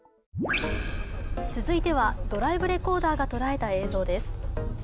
続いてはドライブレコーダーが捉えた映像です。